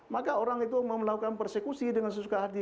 maka orang itu melakukan persekusi dengan sesuka hati